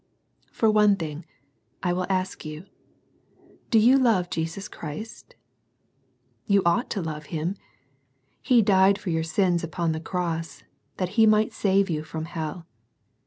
For one thing, I will ask you, — Do you love Jesus Christ? You ought to love Him. He died for your sins upon the cross, that He might save you from hell.